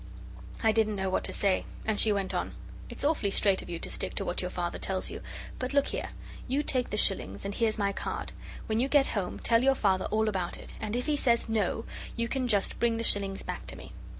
I didn't know what to say, and she went on 'It's awfully straight of you to stick to what your Father tells you, but look here, you take the shillings, and here's my card. When you get home tell your Father all about it, and if he says No, you can just bring the shillings back to me.